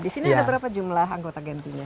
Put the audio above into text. di sini ada berapa jumlah anggota genpi nya